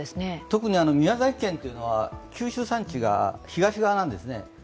特に宮崎県というのは九州山地が東側なんですね。